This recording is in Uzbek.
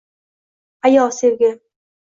Аyo, sevgim!